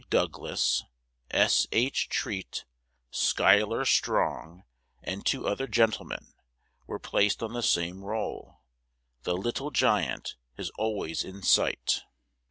Douglas, S. H. Treat, Schuyler Strong, and two other gentlemen, were placed on the same roll. The "Little Giant" is always in sight!